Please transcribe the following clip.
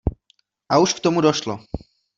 A už k tomu došlo.